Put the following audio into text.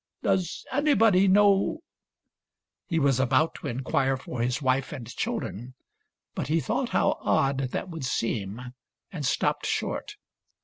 Does anybody know —" He was about to inquire for his wife and children ; but he thought how odd that would seem, and stopped short.